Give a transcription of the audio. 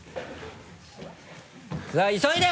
さぁ急いで！